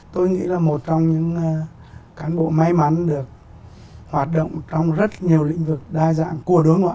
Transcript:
tôi nghĩ là một trong những cán bộ may mắn được hoạt động trong rất nhiều lĩnh vực đa dạng của đối ngoại